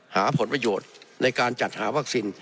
หาผลประโยชน์ในการจัดหาวัคซีน